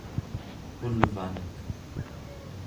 qulvanek